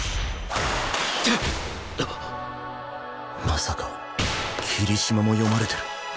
まさか霧島も読まれてる？